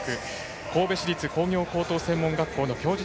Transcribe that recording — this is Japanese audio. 神戸市立工業高等専門学校の教授。